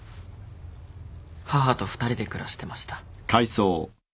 母と２人で暮らしてました。